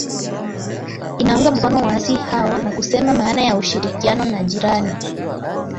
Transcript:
inaunga mkono waasi hao na kusema maana ya ushirikiano na jirani